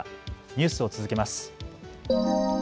ニュースを続けます。